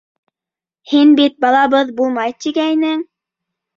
Һин бит балабыҙ булмай тигәйнең!